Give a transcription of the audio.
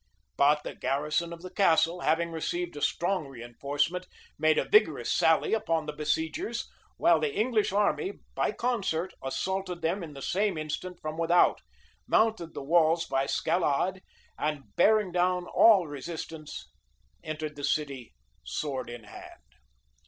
[] But the garrison of the castle, having received a strong reënforcement, made a vigorous sally upon the besiegers; while the English army, by concert, assaulted them in the same instant from without, mounted the walls by scalade, and bearing down all resistance, entered the city sword in hand.